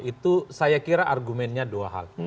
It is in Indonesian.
itu saya kira argumennya dua hal